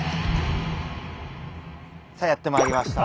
さあやってまいりました。